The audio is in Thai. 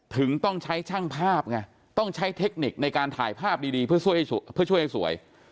ถึงต้องใช้ช่างภาพไงต้องใช้เทคนิคในการถ่ายภาพดีเพื่อช่วยให้สวย